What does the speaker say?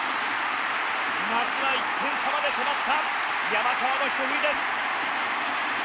まずは１点差まで迫った山川のひと振りです。